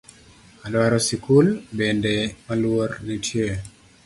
Adwaro sikul bende maluor nitie